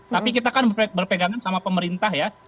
tapi kita kan berpegangan sama pemerintah ya